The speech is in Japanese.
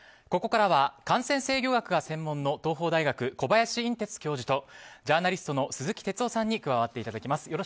ここからは感染制御学が専門の東邦大学、小林寅てつ教授とジャーナリストの鈴木哲夫さんに加わっていただきます。